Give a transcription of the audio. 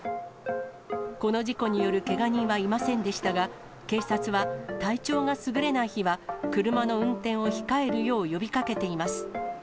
この事故によるけが人はいませんでしたが、警察は、体調がすぐれない日は、車の運転を控えるよう呼びかけています。